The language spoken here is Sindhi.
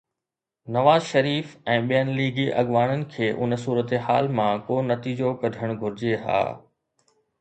نواز شريف ۽ ٻين ليگي اڳواڻن کي ان صورتحال مان ڪو نتيجو ڪڍڻ گهرجي ها.